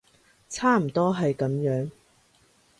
差唔多係噉樣